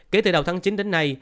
kể từ đầu tháng chín đến nay